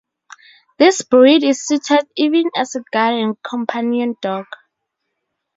This breed is suited even as a guard and companion dog.